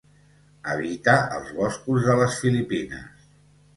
Habita als boscos de les Filipines.